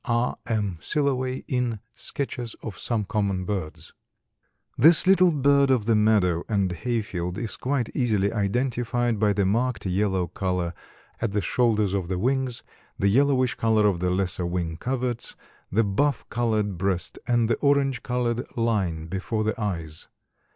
—R. M. Silloway, in "Sketches of Some Common Birds." This little bird of the meadow and hayfield is quite easily identified by the marked yellow color at the shoulders of the wings, the yellowish color of the lesser wing coverts, the buff colored breast and the orange colored line before the eyes.